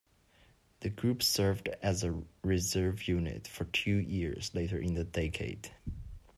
The group served as a reserve unit for two years later in the decade.